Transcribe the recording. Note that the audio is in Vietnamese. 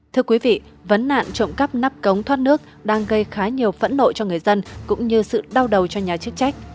thưa quý vị vấn nạn trộm cắp nắp cống thoát nước đang gây khá nhiều phẫn nộ cho người dân cũng như sự đau đầu cho nhà chức trách